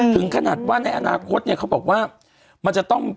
ถึงขนาดว่าในอนาคตเขาบอกว่า